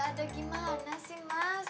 ada gimana sih mas